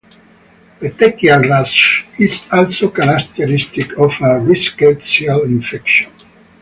Petechial rash is also characteristic of a rickettsial infection.